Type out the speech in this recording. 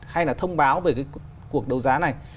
hay là thông báo về cái cuộc đấu giá này